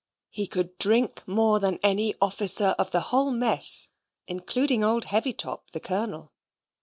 He could drink more than any officer of the whole mess, including old Heavytop, the colonel.